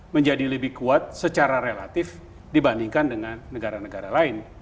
menjadi lebih kuat secara relatif dibandingkan dengan negara negara lain